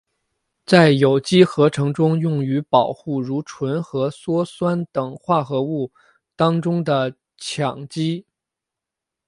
在有机合成中用于保护如醇和羧酸等化合物当中的羟基。